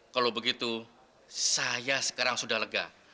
kalau begitu saya sekarang sudah lega